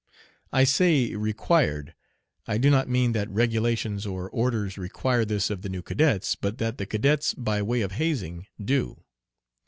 I say "required." I do not mean that regulations or orders require this of the new cadets, but that the cadets by way of hazing do.